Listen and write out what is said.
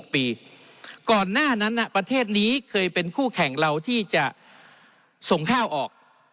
ก่อนหน้านั้นประเทศนี้เคยเป็นคู่แข่งเราที่จะส่งข้าวออก